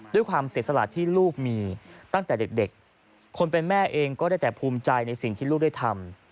ด้วยความเสียสละที่ลูกมีตั้งแต่เด็กคนเป็นแม่เองก็ได้แต่ภูมิใจในสิ่งที่ลูกได้ทำ